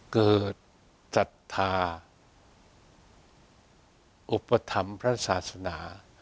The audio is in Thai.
เกิดจัดทาอุปถัมภ์พระศาสนา